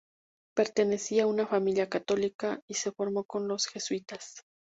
Pertenecía a una familia católica, y se formó con los jesuitas.